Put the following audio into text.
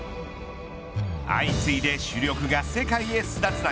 相次いで主力が世界へ巣立つ中